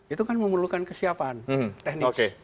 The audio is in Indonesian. itu kan memerlukan kesiapan teknis